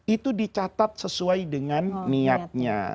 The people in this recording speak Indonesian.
itu dicatat sesuai dengan niatnya